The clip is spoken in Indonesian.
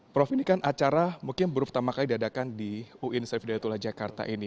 prof ini kan acara mungkin berputamakali diadakan di uin sarifidaya tula jakarta ini